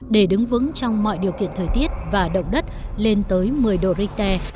để đứng vững trong mọi điều kiện thời tiết và động đất lên tới một mươi độ richter